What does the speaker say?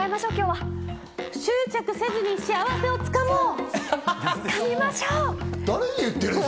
執着せずに幸せをつかもう！